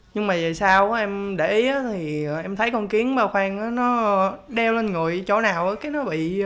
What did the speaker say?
nhưng mà về sau em để ý thì em thấy con kiến ba khoang nó đeo lên người chỗ nào nó bị cái đấm ở đó